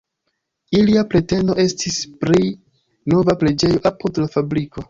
Ilia pretendo estis pli nova preĝejo apud la fabriko.